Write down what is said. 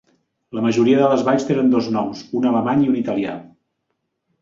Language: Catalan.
La majoria de les valls tenen dos noms, un alemany i un italià.